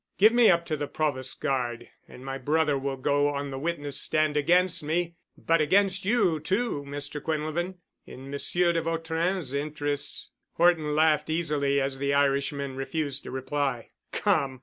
Give me up to the Provost Guard and my brother will go on the witness stand, against me, but against you too, Mr. Quinlevin, in Monsieur de Vautrin's interests." Horton laughed easily as the Irishman refused a reply. "Come.